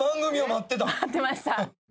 待ってました。